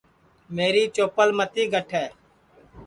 میری چوپل متی گٹھے